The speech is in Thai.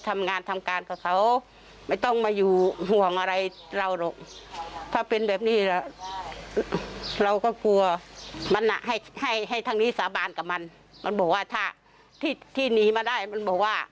มันบอกว่าถ้าที่หนีมาได้มันบอกว่า